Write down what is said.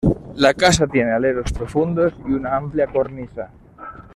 La casa tiene aleros profundos y una amplia cornisa.